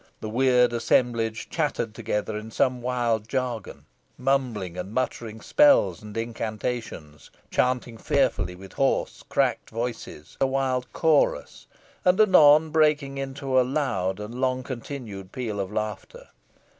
The weird assemblage chattered together in some wild jargon, mumbling and muttering spells and incantations, chanting fearfully with hoarse, cracked voices a wild chorus, and anon breaking into a loud and long continued peal of laughter.